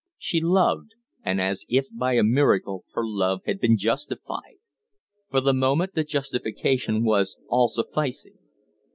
She loved, and as if by a miracle her love had been justified! For the moment the justification was all sufficing.